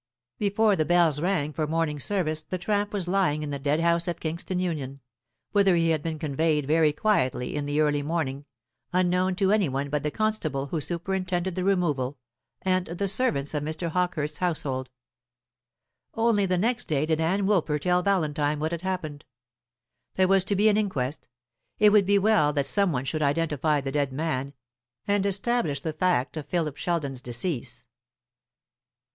Before the bells rang for morning service the tramp was lying in the dead house of Kingston Union, whither he had been conveyed very quietly in the early morning, unknown to any one but the constable who superintended the removal, and the servants of Mr. Hawkehurst's household. Only the next day did Ann Woolper tell Valentine what had happened. There was to be an inquest. It would be well that some one should identify the dead man, and establish the fact of Philip Sheldon's decease.